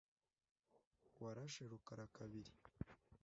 Warashe rukarakabiri.